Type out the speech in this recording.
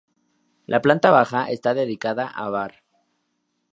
La planta baja está dedicada a bar.